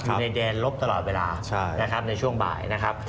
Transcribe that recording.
อยู่ในแดนลบตลอดเวลาในช่วงบ่ายนะครับ